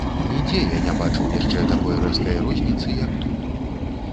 Нідзе я не бачыў яшчэ такой рэзкай розніцы, як тут.